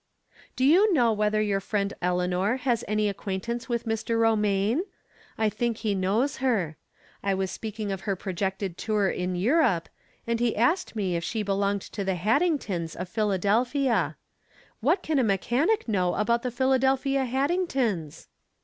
Do you know whether your friend Eleanor has any acquaintance with Mr. Romaine? I tliink he knows her. I was speaking of her projected 22 From Different Standpoints. tour in Europe, and he asked me if slie belonged to the Haddingtons, of PMladelpliia. What can a mechanic know about the Philadelphia Had dingtons